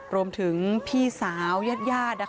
รวมถึงพี่สาวญาติญาติ